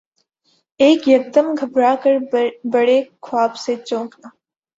امیں یکدم گھبرا کر برے خواب سے چونکا